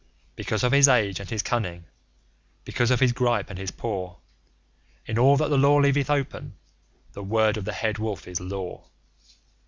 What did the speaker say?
Because of his age and his cunning, because of his gripe and his paw, In all that the Law leaveth open, the word of the Head Wolf is Law.